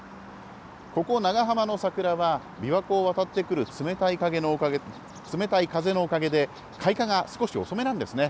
ここ、長浜の桜はびわ湖を渡ってくる冷たい風のおかげで開花が少し遅めなんですね。